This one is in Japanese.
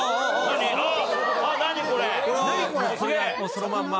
そのまんま。